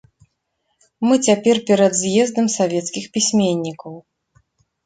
Мы цяпер перад з'ездам савецкіх пісьменнікаў.